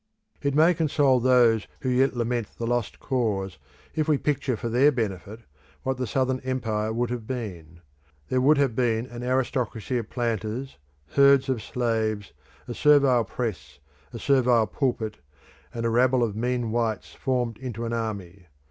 It may console those who yet lament the lost cause if we picture for their benefit what the Southern empire would have been. There would have been an aristocracy of planters, herds of slaves, a servile press, a servile pulpit, and a rabble of mean whites formed into an army.